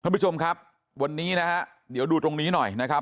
ท่านผู้ชมครับวันนี้นะฮะเดี๋ยวดูตรงนี้หน่อยนะครับ